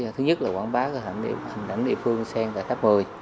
thứ nhất là quảng bá hành đảnh địa phương sen tại tháp một mươi